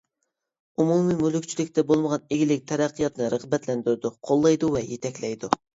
ئومۇمىي مۈلۈكچىلىكتە بولمىغان ئىگىلىك تەرەققىياتىنى رىغبەتلەندۈرىدۇ، قوللايدۇ ۋە يېتەكلەيدۇ.